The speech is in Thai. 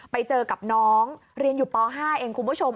ไปเจอกับน้องเรียนอยู่ป๕เองคุณผู้ชม